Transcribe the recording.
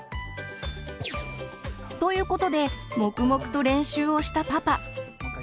ということで黙々と練習をしたパパ。